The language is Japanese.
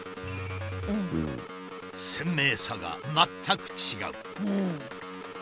鮮明さが全く違う。